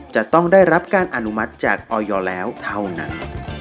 จะต้องได้รับการอนุมัติจากออยแล้วเท่านั้น